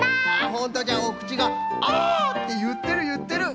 ホントじゃおくちがあっていってるいってる。